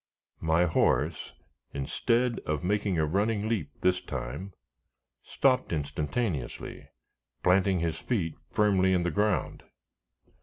My horse, instead of making a running leap this time, stopped instantaneously, planting his feet firmly in the ground.